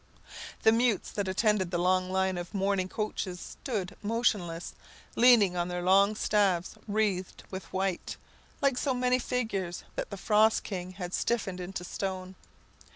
The mutes that attended the long line of mourning coaches stood motionless, leaning on their long staffs wreathed with white, like so many figures that the frost king had stiffened into stone.